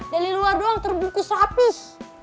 dari luar doang terbungkus habis